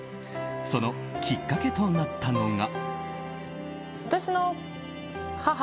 そのきっかけとなったのが。